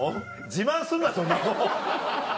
自慢すんなそんなもん。